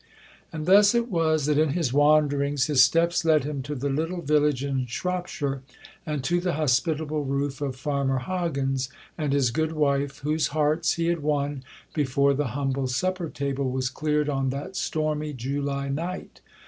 And thus it was that in his wanderings his steps led him to the little village in Shropshire, and to the hospitable roof of Farmer Hoggins and his good wife, whose hearts he had won before the humble supper table was cleared on that stormy July night.